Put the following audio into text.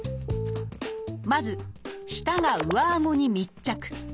まず舌が上あごに密着。